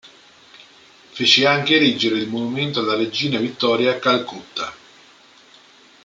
Fece anche erigere il monumento alla Regina Vittoria a Calcutta.